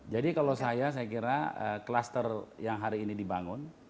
jadi kalau saya saya kira kluster yang hari ini dibangun